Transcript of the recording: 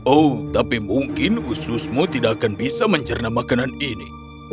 oh tapi mungkin ususmu tidak akan bisa mencerna makanan ini